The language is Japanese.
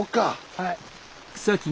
はい。